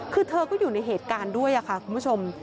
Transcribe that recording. คือเธอก็อยู่ในเหตุการณ์ด้วยค่ะคุณผู้ชม